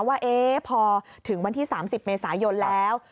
ว่าพอถึงวันที่๓๐เมษายนแล้ว